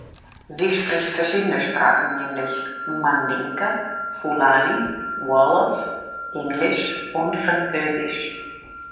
Sie spricht verschiedene Sprachen, nämlich: Mandinka, Fulani, Wolof, Englisch und Französisch.